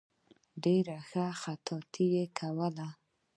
ډېره ښه خطاطي یې کوله.